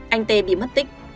anh t bị mất tích